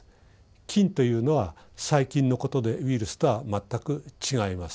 菌というのは細菌のことでウイルスとは全く違います。